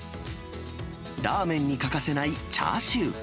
ラーメンに欠かせないチャーシュー。